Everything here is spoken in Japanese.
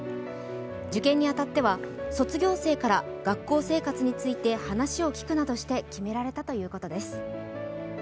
受験に当たっては卒業生から学校生活について話を聞くなどして決められたということです。